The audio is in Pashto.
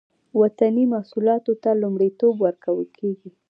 وطني محصولاتو ته لومړیتوب ورکول کیږي